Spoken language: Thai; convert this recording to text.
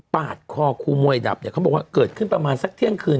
คอครูมวยดับเนี่ยเขาบอกว่าเกิดขึ้นประมาณสักเที่ยงคืน